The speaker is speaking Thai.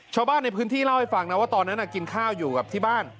ชาวบ้านในพื้นที่เล่าให้ฟังนะว่าตอนนั้นกินข้าวอยู่กับที่บ้าน